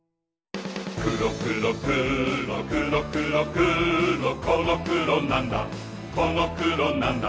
くろくろくろくろくろくろこのくろなんだこのくろなんだ